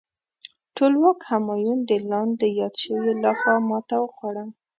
ټولواک همایون د لاندې یاد شویو لخوا ماته وخوړه.